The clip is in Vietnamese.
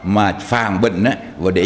mà phạm bệnh của họ